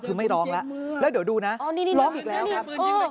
คือไม่ร้องแล้วแล้วเดี๋ยวดูนะร้องอีกแล้วครับ